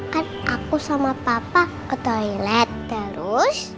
kan aku sama papa ke toilet terus